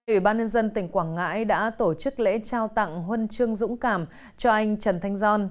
ủy ban nhân dân tỉnh quảng ngãi đã tổ chức lễ trao tặng huân chương dũng cảm cho anh trần thanh giòn